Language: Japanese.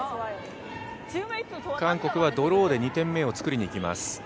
韓国はドローで２点目を作りに行きます。